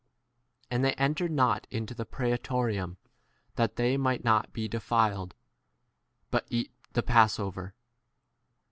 And they en tered not into the prsetorium, that they might not be denied, but T 29 eat the passover.